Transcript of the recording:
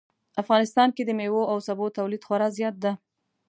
افغانستان کې د میوو او سبو تولید خورا زیات ده